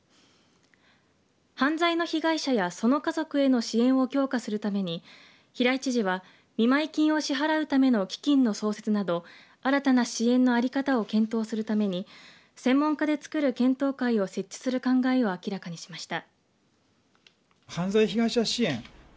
犯罪の被害者やその家族への支援を強化するために平井知事は見舞い金を支払うための基金の創設など新たな支援の在り方を検討するために専門家でつくる検討会を設置する考えを明らかにしました。